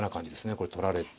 これ取られて。